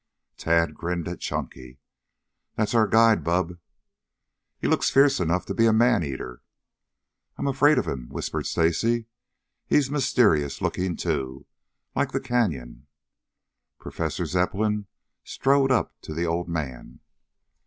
Tad grinned at Chunky. "That's our guide, Bub." "He looks fierce enough to be a man eater." "I'm afraid of him," whispered Stacy. "He's mysterious looking, too; like the Canyon." Professor Zepplin strode up to the old man.